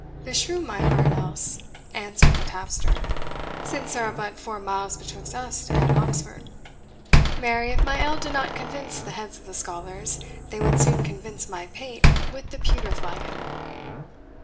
"Beshrew my heart else," answered the tapster, "since there are but four miles betwixt us and Oxford. Marry, if my ale did not convince the heads of the scholars, they would soon convince my pate with the pewter flagon."